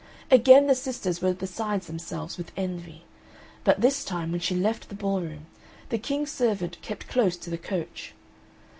Again the sisters were beside themselves with envy; but this time, when she left the ball room, the King's servant kept close to the coach.